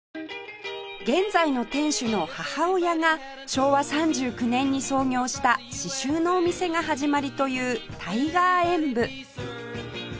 現在の店主の母親が昭和３９年に創業した刺繍のお店が始まりというタイガーエンブ